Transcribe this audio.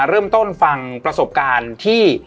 เริ่มต้นฟังประสบการณ์ที่